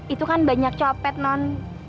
itu kan banyak copet non